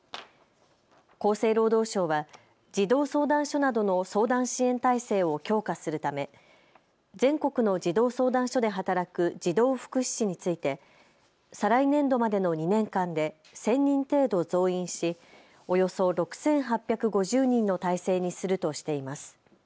厚生労働省は児童相談所などの相談支援体制を強化するため全国の児童相談所で働く児童福祉司について再来年度までの２年間で１０００人程度、増員しおよそ６８５０人の体制にするとしています。